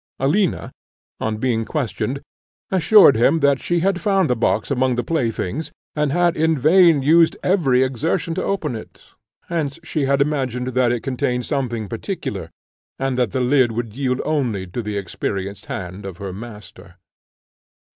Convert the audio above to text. Alina, on being questioned, assured him that she had found the box among the playthings, and had in vain used every exertion to open it; hence she had imagined that it contained something particular, and that the lid would yield only to the experienced hand of her master.